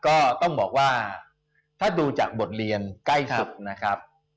ก็ต้องบอกว่าถ้าดูจากบทเรียนใกล้สุดนะครับ